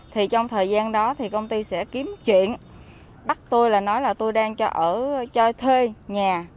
thì trong thời gian đó thì công ty sẽ kiếm chuyện bắt tôi là nói là tôi đang cho ở cho thuê nhà